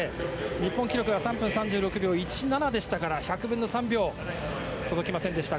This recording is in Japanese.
日本記録が３分３６秒１７でしたから１００分の３秒届きませんでした。